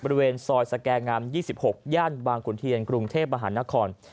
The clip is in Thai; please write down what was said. บริเวณซอยสแก่งาม๒๖ย่านบางขุนเทียนกรุงเทพมหานคร